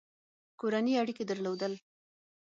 کورني اړیکي درلودل.